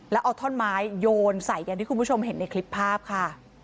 แล้วเอาท่อนไม้โยนใส่อย่างที่คุณผู้ชมเห็นในคลิปภาพค่ะ